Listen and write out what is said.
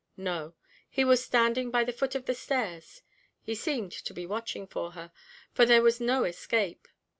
No! he was standing by the foot of the stairs; he seemed to be watching for her; there was no escape.